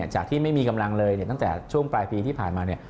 จากที่ไม่มีกำลังเลยตั้งแต่ช่วงปลายปีที่ผ่านมา